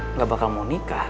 nggak bakal mau nikah